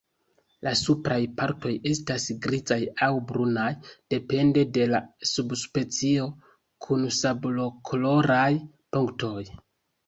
La supraj partoj estas grizaj aŭ brunaj, depende de la subspecio, kun sablokoloraj punktoj.